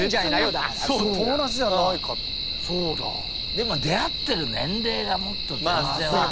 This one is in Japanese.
でも出会ってる年齢がもっと全然若い。